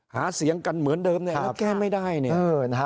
หาเสียงกันเหมือนเดิมเนี่ยแล้วแก้ไม่ได้เนี่ยนะฮะ